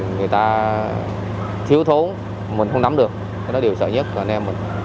người ta thiếu thốn mình không nắm được đó là điều sợ nhất của anh em mình